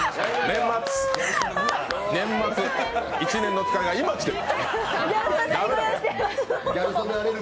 年末、１年の疲れが今来てる。